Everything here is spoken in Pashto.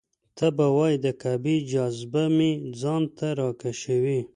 ته به وایې د کعبې جاذبه مې ځان ته راکشوي.